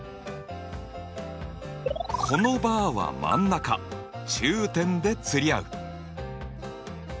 このバーは真ん中中点で釣り合う。